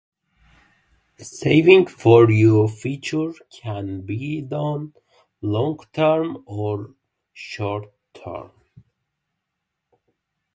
Saving for your future can be done long term or short term.